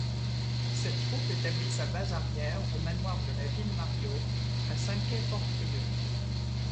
Cette troupe établit sa base arrière au manoir de la Ville-Mario, à Saint-Quay-Portrieux.